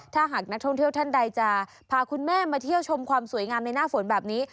ถ้าหากนักท่องเที่ยวท่านใดจะพาคุณแม่มาเที่ยวชมความสวยงามในหน้าฝนแบบนี้